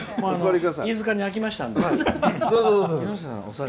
飯塚に飽きましたんで。